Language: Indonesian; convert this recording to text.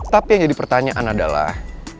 tapi yang jadi pertanyaan adalah